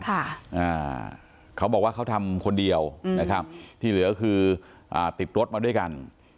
อ่าเขาบอกว่าเขาทำคนเดียวอืมนะครับที่เหลือคืออ่าติดรถมาด้วยกัน